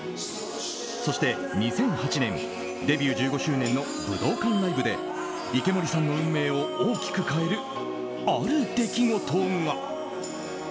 そして２００８年デビュー１５周年の武道館ライブで池森さんの運命を大きく変えるある出来事が。